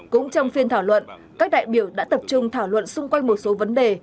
cũng trong phiên thảo luận các đại biểu đã tập trung thảo luận xung quanh một số vấn đề